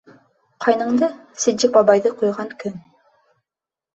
— Ҡайныңды, Ситдиҡ бабайҙы ҡуйған көн.